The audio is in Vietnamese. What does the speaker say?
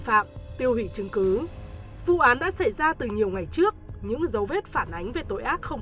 phạm tiêu hủy chứng cứ vụ án đã xảy ra từ nhiều ngày trước những dấu vết phản ánh về tội ác không